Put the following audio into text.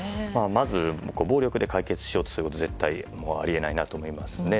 まず、暴力で解決しようとすることは絶対あり得ないなと思いますね。